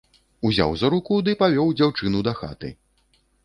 Узяў за руку ды павёў дзяўчыну дахаты!